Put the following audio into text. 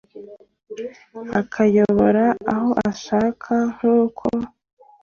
akayayobora aho ashaka nk uko